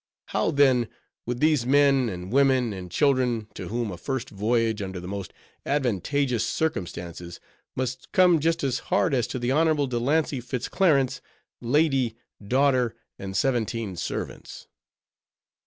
How, then, with these men, and women, and children, to whom a first voyage, under the most advantageous circumstances, must come just as hard as to the Honorable De Lancey Fitz Clarence, lady, daughter, and seventeen servants.